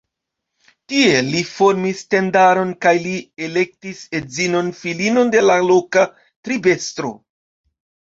Tie li formis tendaron kaj li elektis edzinon filino de la loka tribestro.